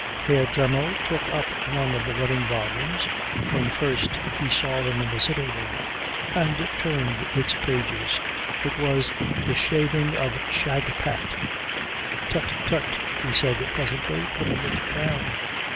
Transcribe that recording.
Herr Dremmel took up one of the wedding volumes when first he saw them in the sitting room and turned its pages. It was The Shaving of Shagpat. "Tut, tut," he said presently, putting it down.